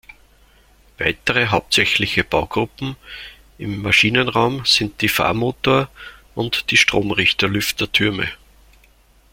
Weitere hauptsächliche Baugruppen im Maschinenraum sind die Fahrmotor- und die Stromrichter-Lüftertürme.